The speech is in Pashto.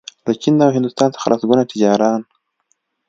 له چین او هندوستان څخه لسګونه تجاران